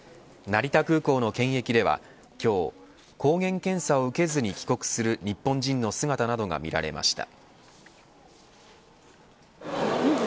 成田空港の検疫では今日、抗原検査を受けずに帰国する日本人の姿などが見られました。